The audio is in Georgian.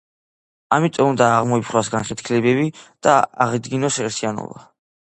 ამიტომ უნდა აღმოიფხვრას განხეთქილებები და აღადგინონ ერთიანობა.